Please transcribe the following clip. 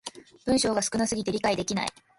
文章が少な過ぎて理解できない